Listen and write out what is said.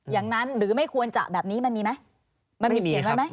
อย่างนั้นหรือไม่ควรจะแบบนี้มันมีไหม